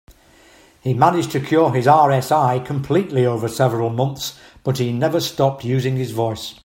He managed to cure his RSI completely over several months, but he never stopped using his voice.